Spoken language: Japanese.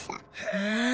へえ！